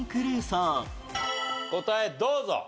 答えどうぞ。